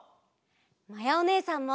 まやおねえさんも！